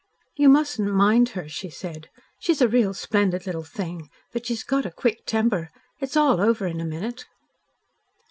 "You mustn't mind her," she said. "She's a real splendid little thing, but she's got a quick temper. It's all over in a minute."